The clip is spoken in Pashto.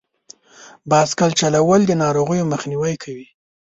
بایسکل چلول د ناروغیو مخنیوی کوي.